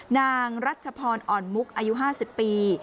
นางรัชพรอ่อนมุกอายุ๕๐ปี